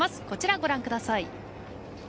こちらをご覧ください。